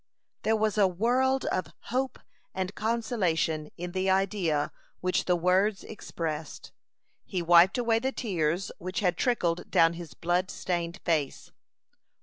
There was a world of hope and consolation in the idea which the words expressed. He wiped away the tears which had trickled down his blood stained face.